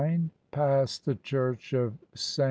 PAST THE CHURCH OF ST.